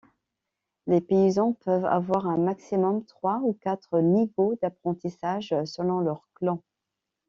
Les paysans peuvent avoir au maximum trois ou quatre niveaux d'apprentissage, selon leur clan.